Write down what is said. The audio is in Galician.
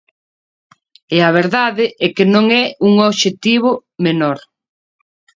E a verdade é que non é un obxectivo menor.